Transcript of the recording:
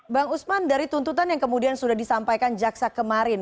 bang usman dari tuntutan yang kemudian sudah disampaikan jaksa kemarin